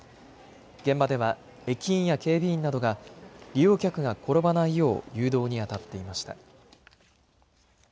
現場では駅員や警備員などが利用客が転ばないよう誘導にあたっていました。